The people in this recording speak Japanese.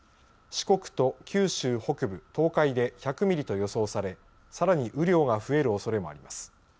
四国と九州北部、東海で１００ミリと予想されさらに雨量が増えるおそれもあります。